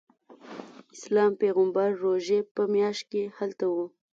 اسلام پیغمبر روژې په میاشت کې هلته ورته.